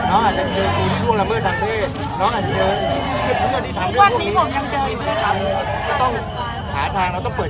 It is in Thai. อาจจะเจอครูที่ดวงาละเมิดทางเทศ